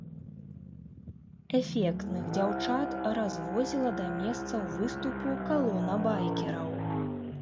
Эфектных дзяўчат развозіла да месцаў выступу калона байкераў.